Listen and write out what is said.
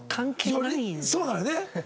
そうだよね。